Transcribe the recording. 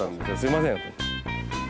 すみません。